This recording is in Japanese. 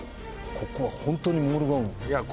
ここはホントにモールが多いんです